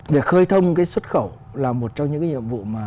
để khơi thông cái xuất khẩu là một trong những nhiệm vụ